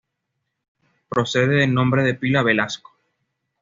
Procede del nombre de pila "Velasco".